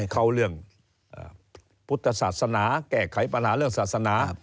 เขาเรื่องพุทธศาสนาแก้ไขปัญหาเรื่องศาสนา